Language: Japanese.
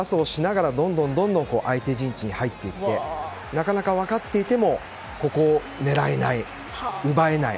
パスをしながらどんどん相手陣地に入っていってなかなか分かっていてもここを狙えない、奪えない。